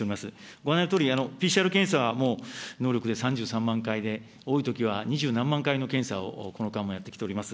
ご案内のとおり、ＰＣＲ検査はもう、能力で３３万回で、多いときは二十何万回の検査をこの間もやってきております。